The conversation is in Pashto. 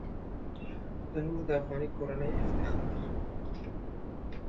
تنور د افغاني کورنۍ افتخار دی